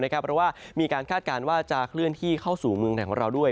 เพราะว่ามีการคาดการณ์ว่าจะเคลื่อนที่เข้าสู่เมืองไทยของเราด้วย